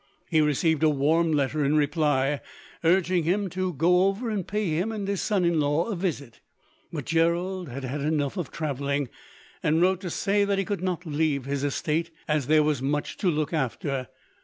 He received a warm letter in reply, urging him to go over and pay him and his son in law a visit. But Gerald had had enough of travelling, and wrote to say that he could not leave his estate, as there was much to look after.